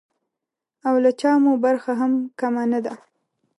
او له چا مو برخه هم کمه نه ده.